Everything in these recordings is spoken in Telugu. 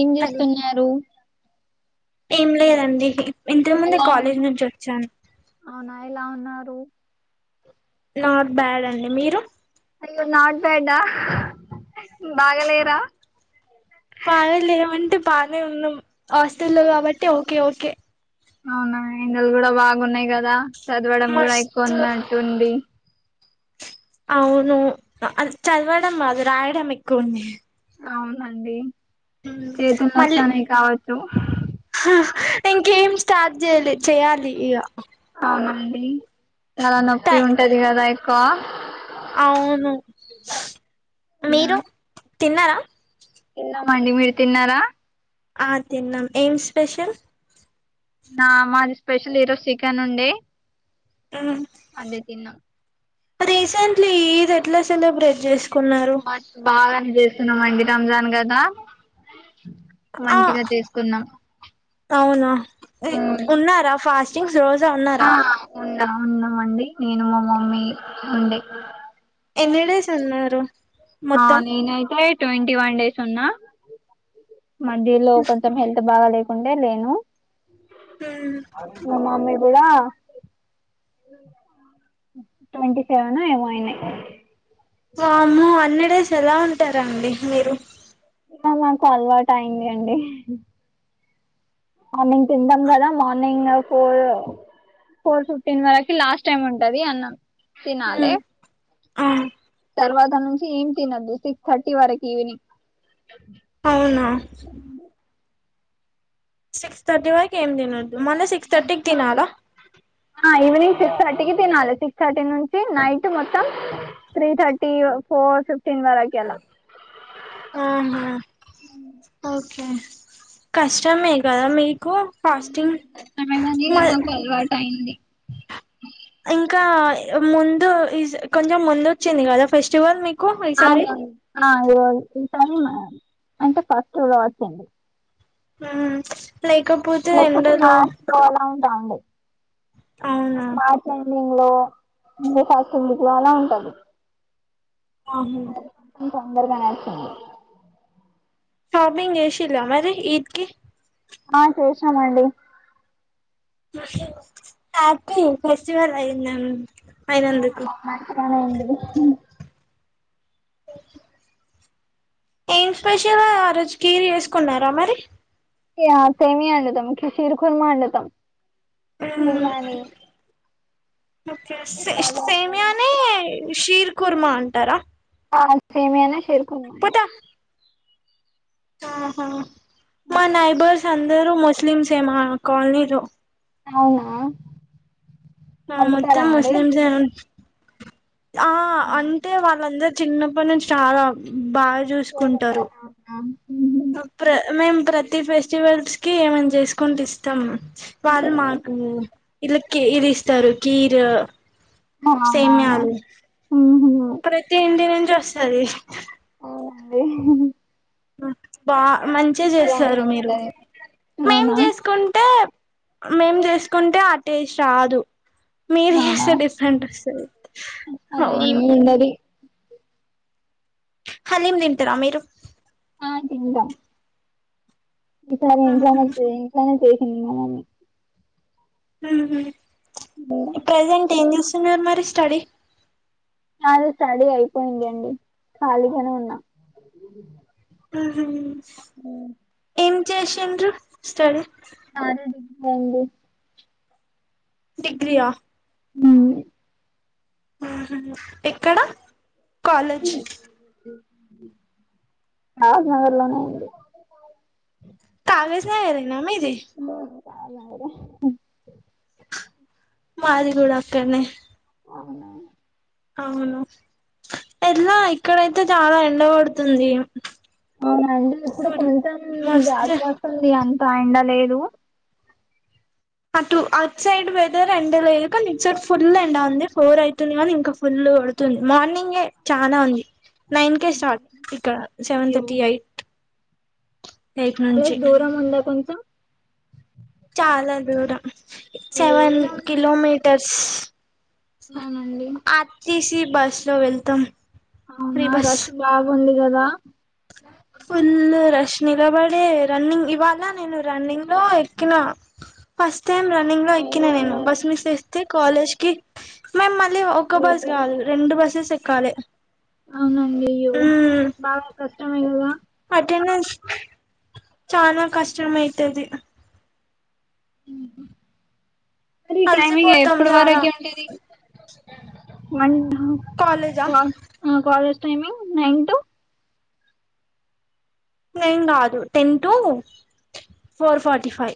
ఏం హలో చేస్తున్నారు ఏం లేదండి ఇంతకు ముందు ఎలా కాలేజ్ ఉన్నా నుంచి వచ్చాను అవునా ఎలా ఉన్నారు నాట్ బ్యాడ్ అండి మీరు నాట్ బ్యాడ్ బాగాలేరా బాగా లేవంటే బాగానే ఉన్నాం హాస్టల్లో కాబట్టి ఓకే ఓకే అవునా ఎండలు కూడా బాగున్నాయి కదా చదవడం కూడా ఎక్కువ మస్తు ఉన్నట్టు ఉంది అవును చదవడం కాదు రాయడం ఎక్కువుంది అవునండి చేతులు మల్ నొస్తాన్నాయి కావచ్చు ఇంకేం స్టార్ట్ జేయాలే చేయాలి ఇగా అవునండి చాలా నొప్పి ఉంటది కదా ఎక్కువ అవును మీరు తిన్నారా తిన్నం అండి మీరు తిన్నారా ఆ తిన్నాం ఏం స్పెషల్ నా మాది స్పెషల్ ఈరోజు చికెన్ ఉండే అదే తిన్నా రీసెంట్లీ ఈద్ ఎట్లా సెలబ్రేట్ చేస్ బట్ బాగానే చేస్తున్నాం అండి రంజాన్ కదా ఆ మంచిగా చేసుకున్నాం అవునా ఉమ్. ఉన్నారా ఫాస్ట్ ఆ ఉన్నం ఉన్నామండి నేను మా మమ్మీ ఉండే ఎన్నిడేస్ ఉన్నారు ఆ మొత్తం నేనైతే ట్వంటీ వన్ డేస్ ఉన్నా మధ్యలో కొంచం హెల్త్ బాగా లేకుంటే లేను మా మమ్మీ ఎలా ట్వంటీ సెవెనో ఏమో అయినై వామ్మో అన్ని డేస్ ఎలా ఉంటారండి మీరు ఇగ మాకు అలవాటు అయింది అండి మార్నింగ్ తింటాం కదా మార్నింగ్ ఫోర్ ఫోర్ ఫిఫ్టీన్ వరకు లాస్ట్ టైమ్ ఉంటది అన్నాం తినాలే ఉమ్, ఆ తర్వా ఇక్క నుంచి ఏం తినద్దు సిక్స్ థర్టీ వరకి ఈవినింగ్ అవునా సిక్స్ థర్టీ వరకి ఏం తినో ఆ ఈవినింగ్ సిక్స్ థర్టీ కి తినాలి సిక్స్ థర్టీ నుంచి నైట్ మొత్తం త్రీ థర్టీ ఫోర్ ఫిఫ్టీన్ సింమారాకీ ఎలా ఆహా ఓకే కష్టమే కదా మీ కు ఫాస్టింగ్ అనగానే మల్ మాకు అలవాటు అయింది ఇంకా ముందు కొంచెం ముందు వచ్చింది కదా ఫెస్టివల్ మీకు ఆ ఈసారి అండి వాళ్చు టైం అంటే ఫస్ట్ కావచ్చండి ఆ లేకపోతే మా హాస్టల్ లో ఎలా ఉంటామండి అవునా ముగ్లో ముందు ఒక హాస్టల్ మీకు వాలా ఉంటది ఆహు తొందరగానేస్తుంది షాపింగ్ చేషిల్ల మరి ఈద్కి ఆ చేసామండి తాకి ఫెస్టివల్ అయింద అయినందుకు ఆ మంచి పనైంది అ ఏం స్పెషల్ ఆ రోజు కీర్ చేసుకున్నారా మరి ఆ సేమియా అండుతం షీరుకుర్మ అండుతాం బిర్యాని ఒకే సే సేమీయాని షీర్ కుర్మ అంటారా ఆ సేమీయానే చేయ్ పోత ఆహా మా నైబర్స్ అందరు ముస్లిమ్సే మా కల్నీలో అవునా ఆ మొత్తం పంపుతారా మరి ముస్లిమ్సే ఆ అంటే. వాళ్ళందరు చిన్నప్పటి నుంచి చాలా బాగా చూసుకుంటారు. పోదంటారా? అవునా. ఉహుం. ఆ ప్ర మేం ప్రతి ఫెస్టివల్స్ కి ఏమన్ చేసుకుంటే ఇస్తాం. వాళ్ళు మాకు ఇలా క్ ఇది ఇస్తారు. కీరు అవునావునా ఉహ్ హు ప్రతి ఇంటి నుంచి వస్తది. అదే బా మంచిగా చేస్తారు మీరు. ఉంటది మేం అవునా చేసుకుంటే మేం చేసుకుంటే ఆ టేస్ట్ రాదు. మీర్ అవునా చేస్తే డిఫరెంట్ వొస్తది. అలా అవును ఏమి ఉండది హాలీమ్ తింటారా. మీరు? తింటం. ఈసారి ఇంట్లనే చే ఇంట్లనే చేసింది మా మామ్మీ ఉమ్. ప్రజెంట్ ఏం చూస్తున్నారు మరి స్టడీ? నాది స్టడీ అయిపోయింది అండి. ఖాళీగానే ఉన్నా. ఉహ్ హుమ్మ్ ఉహ్ ఏం చేసిండ్రు స్టడీ నాదే డీగ్రీ అయ్యింది డీగ్రీయా ఉహ్మ్ ఆహా ఎక్కడ కాలేజ్ [unintelligible] నాగర్లోనే ఉంది కావేజ్ నాగరేన మీది [unintelligible] నగర్ మది కూడాడక్కనే. అవునా అవును ఎలా ఇక్కడయితే చాలా ఎండ కోడుతుంది. అవునండి ఇప్పుడు కొంచెం మస్తు [unintelligible] వస్తుంది అంత ఎండ లేదు. అట్లు అట్ సైడ్ వెదర్ ఎండ లేద్ కానీ. ఇట్ సైడ్ ఫుల్ ఎండ ఉంది. ఫోర్ అయితుంది కానీ. ఇంకా ఫుల్ డా కొడుతుంది. మార్నింగే చానా ఉంది. నైన్ కేే స్టార్ట్. అవునండి. ఇక్కడ సెవెన్ అయ్యో థర్టీ ఎయిట్ ఎయిట్ నుంచి కాలేజ్ దూరం ఉందా కొంచం. చాలా దూరం అయ్యో సెవెన్ ఎలా వెళ్తారు కిలోమీటర్స్ అవునండి ఆర్. టి. సి బస్ లో వెళ్తాం ఫ్రీ అవునా బస్ రష్ బాగా వుందిగాదా ఫుల్లు రష్ నిలబడే, రన్నింగ్ ఇవాళ్ళ నేను రన్నింగ్ లో ఎక్కిన. ఫస్ట్ టైం రన్నింగ్ లో అయ్యో ఎక్కినా. నేను నే- బస్ మిస్ చేస్తే కాలేజ్ కి మేం ల్లి ఒక్క బస్ అయింది కాదు కదా? రెండు బస్సెస్ ఎక్కాలే. అవునండి అయ్యో బాగా కష్టమైనైనద. అటెండెన్స్ చాలా కష్టం అయితది. ఉహ్ హు మరి టైమింగ్ అలసిపోతాం ఎప్పుడు చాలా వరకె ఉంటది. వన్ ఆ కాలేజా వ ఆ college timing nine to nine కాదు ten to four forty five.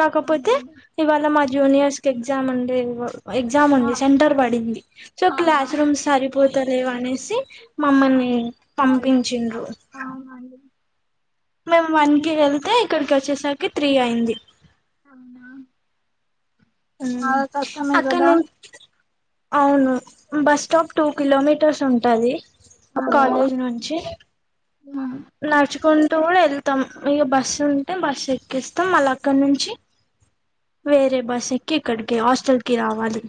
కాకపోతే అవునండి ఇవాళ మా జూనియర్స్ కి ఎగ్జామ్ ఉండేవ్ ఎగ్జామ్ ఉంది అవునా సెంటర్ పడింది. సో అవునా క్లాస్ రూమ్ సరిపోతలేవానేసి. మమ్మల్ని హాలిడే? పంపించిండ్రు అవునండి మేము వన్ కి వెళ్తే ఇక్కడికి వచ్చేసరికి త్రీ అయింది అవునా చాలా కష్టమే అక్క కదా ను అవును బస్ స్టాప్ టూ కిలోమీటర్స్ ఉంటది కాలేజ్ నుంచి నడుచుకం డు వెళ్తాం ఇక బస్సు ఉంటే బస్ ఎకిస్తాం మళ్ళ అక్కడ నుంచి వేరే బస్ ఎక్కి ఇక్కడికి హస్టల్కి రావాలి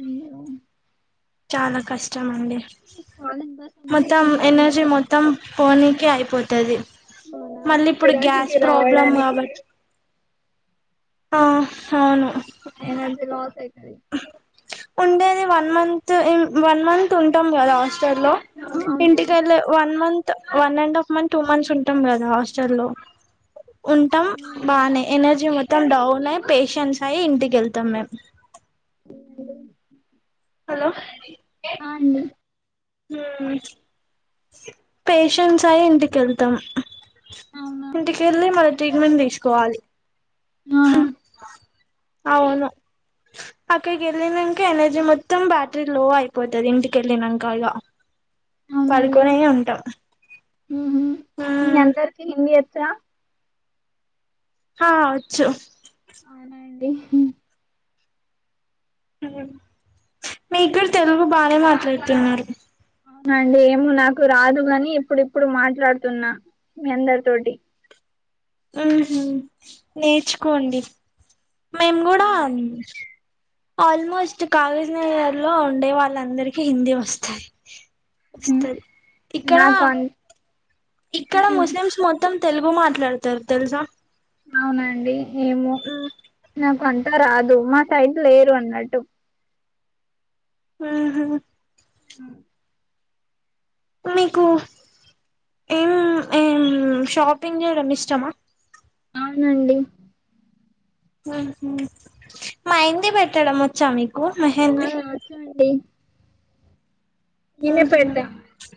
అయ్యో చాలా కష్టం అండి కాలేజ్ బస్ ఉంటే మొత్తం ఇంకా ఎనర్జీ బాగుంటాంది మొత్తం కదా పోనీకే అయిపోతుది అవునా మళ్ళీ ఇప్పుడు పోయడానికి గ్యాస్ ప్రాబ్లం రావడానికి కాబ ఆ అవును [inaudible] ఉండేది వన్ మంత్ వన్ మంత్ ఉంటాము కదా హాస్టల్లో అవును ఇంటికెల్లె one month one and half month two months ఉంటాం కదా హాస్టల్ లో ఉంటాం బాగానే ఎనర్జీ మొత్తం డౌన్ అయ పేషెన్స్ అయ్ ఇంటికి వెళ్తాం మేము హలో అ అండి హ్మ్ పేషంట్స్ అయి ఇంటికి వెళ్తాం అవునా ఇంటికెళ్ళి మళ ట్రీట్మెంట్ తీసుకోవాలి ఆ అవును అక్కడికి వెళ్ళినంక ఎనర్జీ మొత్తం బ్యాటరీ లో అయిపోతుది ఇంటికెళ్ళినాకలా పడుకొనే ఉంటాం హ్మ్ మీ మ్మ్ అందరికి హిందీ వచ్చా హా వచ్చు అవునా అండి మీరు కూడా తెలుగు బానే మాట్లాడుతున్నారు అవునా అండి ఏమో నాకు రాదులని ఇప్పుడుప్పుడు మాట్లాడుతున్నా మీ అందరి తోటి ఉహ్మ్ నేర్చుకోండి మేము కూడా అవునండి ఆల్మోస్ట్ కాగజ్ నగర్లో ఉండే వాళ్ళందరికి హిందీ వస్తాయి వస్తది ఇక్కడ నాకు అన్ ఇక్కడ ఉమ్ ముస్లిమ్స్ మొత్తం తెలుగు మాట్లాడతారు తెలుసా అవునా అండి ఏమో నాకు అంతా రాదు మా సైడ్ లేరు అన్నట్టు ఉహ్మ్ ఆ మీకు ఏం ఏం షాపింగ్ చేయడమిష్టమా అవునండి హ్మ్ మహైందీ పెట్టడం వచ్చా మీ ఆ వచు అండి ఉహు [unintelligible]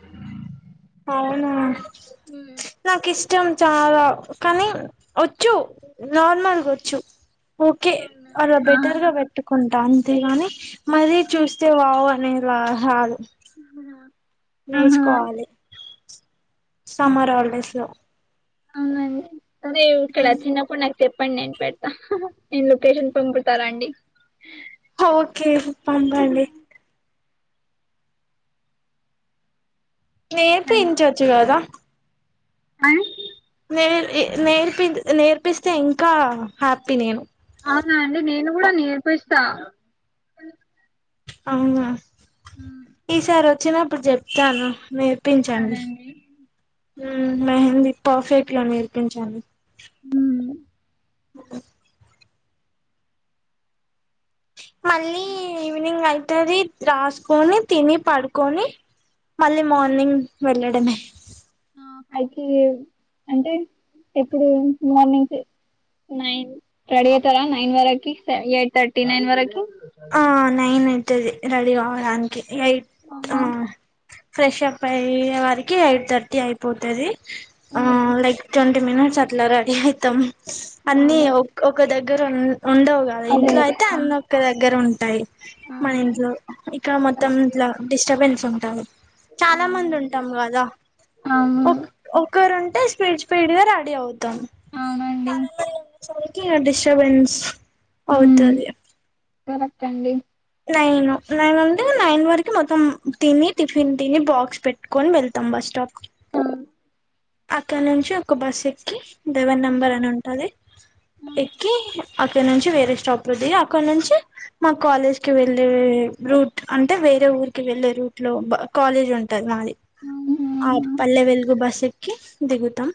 అవునా ఉమ్, నాకిష్ట ఇష్టం చాలా కానీ వచ్చు నార్మల్గా వచ్చు ఓకే అవునా అలా ఆ బెటర్ గా పెట్టుకుంటాను అంతేగాని మరీ చూస్తే వావ్ అనేలా రాదు ఆహా నేర్చుకోవాలి సమ్మర్ హాలిడేస్ లో అవునండి సరే ఇక్కడ చిన్నప్పుడు నాకు చెప్పండి నేను పెట్ నేను లొకేషన్ పంపుతారండి. హా ఓకే పంపండి. నేర్పించచ్చు గదా. అ నే ఎ నేర్పి నేర్పిస్తే ఇంకా హ్యాపీ నేను ఆహా అండి నేను కూడా నేర్పిస్తా అవునా ఉమ్, ఈసారి వచ్చినప్పుడు చెప్తాను. నేర్ సరే నేర్పించండి అండి ఉమ్ మెహందీ పర్ఫెక్ట్ గా నేర్పించండి. ఉబుమ్ ఉబు మళ్ళీ ఈవినింగ్ అయితది రాసుకొని తిని పడుకొని మళ్ళీ మార్నింగ్ వెళ్ళడమే పైకి అంటే ఎప్పుడు మార్నింగ్సే నైన్ రెడి అయితారా నైన్ వరకి స ఎయిట్ థర్టీ నైన్ వరకి ఆ నైన్ అయితది రెడీ కావడానికి ఎయిట్ ఆ అవునా? ఫ్రెష్ అప్ అయ్యే వారికి ఎయిట్ థర్టీ అయిపోతది ఆ ఉమ్ లైక్ టల్ టెన్ మినిట్స్ అట్లా రెడీ అయితాం అన్ని అవును ఓక్ ఒక్క దగ్గర ఉన్ ఉండవు గదా అదే ఇంట్లో అదే అయితే ఆ అన్నొక్క దగ్గర ఉంటాయి. మన అవును ఇంట్లో ఇక్కడ మొత్తం కరెక్టే ఇంట్లా డిస్టర్బెన్స్ ఉంటాంది. చాలా మంది అవునండి ఉంటాం గదా అవును ఓక్ ఒకరం అంటే స్పీడ్ స్పీడ్ గా రాడీ అవుతాం అవునండి చాలామంది సరికి డిస్టర్బెన్స్ ఉమ్, అవుతది. కరెక్ట్ అండి. నైన్ నైన్ అంటే నైన్ వరకు మొత్తం తిని టిఫిన్ తిని బాక్స్ పెట్టుకోని వెళ్తాం బస్ స్టాప్ కి అక్కడ నుంచి ఒక బస్ ఎక్కి డెవెన్ ఉమ్, నెంబర్ అని ఉంటది. ఉమ్, ఎక్కి అక్కడి నుంచి వేరే స్టాప్ లో దిగి అక్కడి నుంచి మా కాలేజ్కి వెళ్ళే రూట్ అంటే వేరే ఊరికి వెళ్ళే రూట్ లో బ కాలేజ్ ఉంటది మాది ఉమ్, ఆ ఉమ్. పల్లె వెలుగు బస్ ఎక్కి దిగుతం.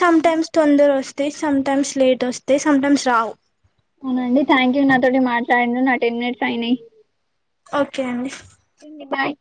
సంటైమ్స్ తొందర వస్తాయి, సంటైమ్స్ లేట్ వస్తాయి, సామ్టైమ్స్ రావు. అవునండి థ్యాంక్ యూ నాతోటి మాట్లాడిను నా టెన్ మినిట్స్ అయినాయి ఓకే అండి ఇన్నీ భాయ్